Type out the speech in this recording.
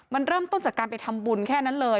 มันเริ่มต้นจากการไปทำบุญแค่นั้นเลย